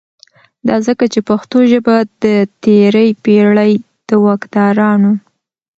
دا ځکه چې پښتو ژبه د تیری پیړۍ دواکدارانو